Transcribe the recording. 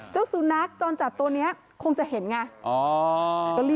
เจ้าสุนัขจรจัดตัวนี้คงจะเห็นไง